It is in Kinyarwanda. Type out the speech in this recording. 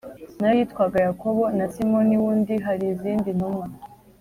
na yo yitwaga Yakobo na Simoni wundi Hari izindi ntumwa